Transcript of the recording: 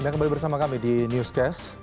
anda kembali bersama kami di newscast